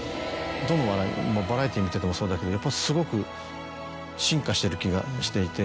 どの笑いもバラエティー見ててもそうだけどすごく進化してる気がしていて。